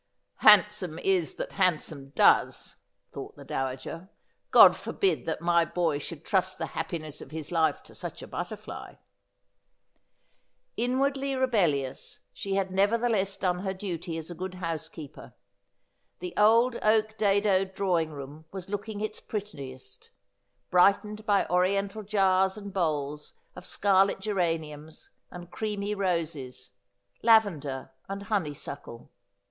' Handsome is that handsome does,' thought the dowager. ' God forbid that my boy should trust the happiness of his life to such a butterfly.' Inwardly rebellious, she had nevertheless done her duty as a good housekeeper. The old oak dadoed drawing room was look ing its prettiest, brightened by oriental jars and bowls of scarlet geraniums and creamy roses, lavender and honeysuckle.